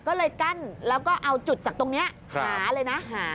ก็เลยกั้นแล้วก็เอาจุดจากตรงนี้หาเลยนะหา